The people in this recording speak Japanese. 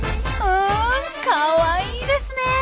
うんかわいいですね。